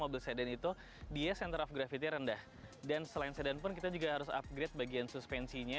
mobil sedan itu dia center of gravity rendah dan selain sedan pun kita juga harus upgrade bagian suspensinya